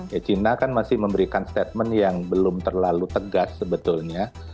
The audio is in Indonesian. ya china kan masih memberikan statement yang belum terlalu tegas sebetulnya